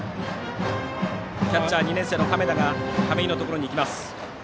キャッチャー、２年生の亀田が亀井のところに行きました。